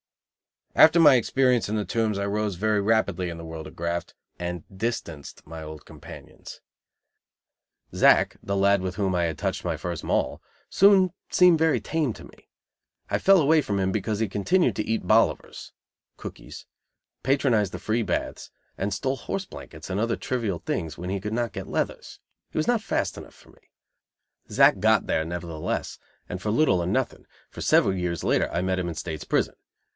After my experience in the Tombs I rose very rapidly in the world of graft, and distanced my old companions. Zack, the lad with whom I had touched my first Moll, soon seemed very tame to me. I fell away from him because he continued to eat bolivers (cookies), patronize the free baths, and stole horse blankets and other trivial things when he could not get "leathers." He was not fast enough for me. Zack "got there," nevertheless, and for little or nothing, for several years later I met him in State's prison.